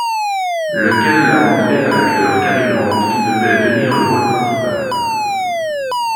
Lequel l'a montré à l'acteur Cary Grant, qui devait tenir le rôle principal.